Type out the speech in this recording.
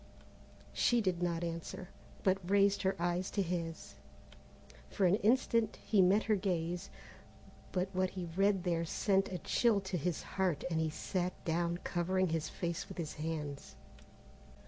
She did not answer, but raised her eyes to his. For an instant he met her gaze, but what he read there sent a chill to his heart and he sat down covering his face with his hands.